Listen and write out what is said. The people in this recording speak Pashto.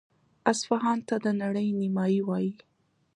اصفهان ته د نړۍ نیمایي وايي.